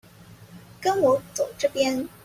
跟我走這邊